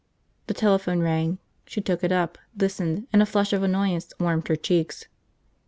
The telephone rang. She took it up, listened, and a flush of annoyance warmed her cheeks.